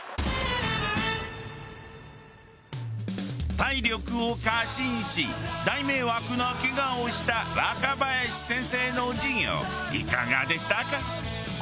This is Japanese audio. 体力を過信し大迷惑なケガをした若林先生の授業いかがでしたか？